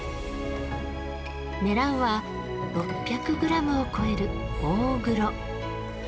狙うは６００グラムを超える大黒。